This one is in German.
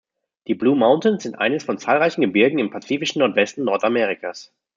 Die Blue Mountains sind eines von zahlreichen Gebirgen im Pazifischen Nordwesten Nordamerikas.